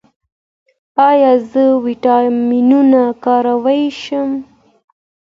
ایا زه ویټامینونه کارولی شم؟